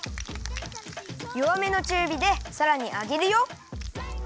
よわめのちゅうびでさらにあげるよ。